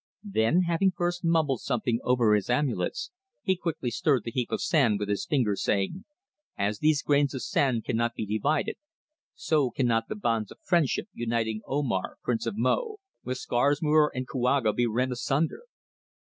Then, having first mumbled something over his amulets, he quickly stirred the heap of sand with his finger, saying: "As these grains of sand cannot be divided, so cannot the bonds of friendship uniting Omar, Prince of Mo, with Scarsmere and Kouaga, be rent asunder.